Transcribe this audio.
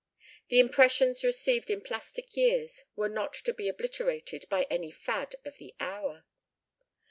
The impressions received in plastic years were not to be obliterated by any fad of the hour.